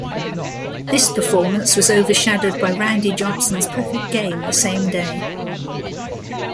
This performance was overshadowed by Randy Johnson's perfect game the same day.